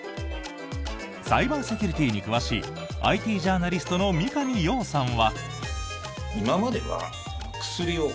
サイバーセキュリティーに詳しいＩＴジャーナリストの三上洋さんは。